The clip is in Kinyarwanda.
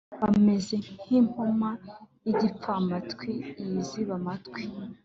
bameze nk impoma y igipfamatwi yiziba amatwi